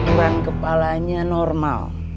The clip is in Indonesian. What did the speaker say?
ukuran kepalanya normal